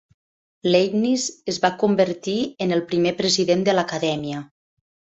Leibniz es va convertir en el primer president de l'Acadèmia.